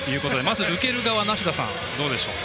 まず受ける側の梨田さんどうでしょうか。